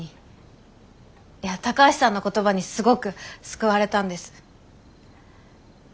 いや高橋さんの言葉にすごく救われたんです。